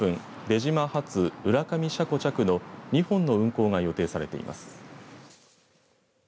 出島発、浦上車庫着の日本の運行が予定されています。